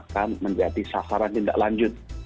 akan menjadi sasaran tindak lanjut